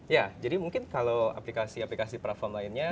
ya jadi mungkin kalau aplikasi aplikasi platform lainnya